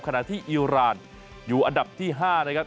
ขณะที่อิราณอยู่อันดับที่๕นะครับ